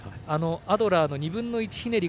アドラー２分の１ひねり